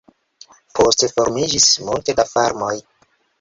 Poste formiĝis multe da farmoj.